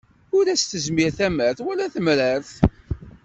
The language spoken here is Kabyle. Ur as-tezmir tamart, wala temrart.